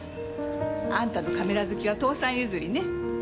あんたのカメラ好きは父さん譲りね。